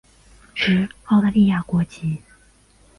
持澳大利亚国籍。